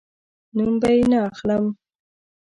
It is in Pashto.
نوم به یې نه اخلم